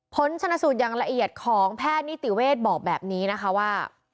ผลชนสูตรอย่างละเอียดของแพทย์นิติเวศบอกแบบนี้นะคะว่า